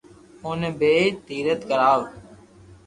اوني بي تيرٿ ڪراوُ